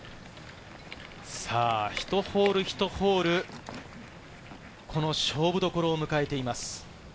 １ホール１ホール、この勝負どころを迎えています。